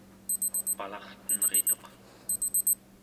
palartenrituq